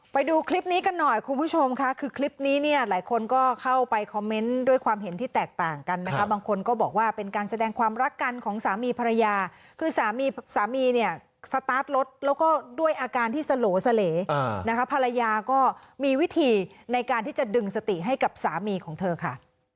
ไปดูคลิปนี้กันหน่อยคุณผู้ชมค่ะคือคลิปนี้เนี่ยหลายคนก็เข้าไปคอมเมนต์ด้วยความเห็นที่แตกต่างกันนะคะบางคนก็บอกว่าเป็นการแสดงความรักกันของสามีภรรยาคือสามีสามีเนี่ยสตาร์ทรถแล้วก็ด้วยอาการที่สโหลเสล่นะคะภรรยาก็มีวิธีในการที่จะดึงสติให้กับสามีของเธอค่ะ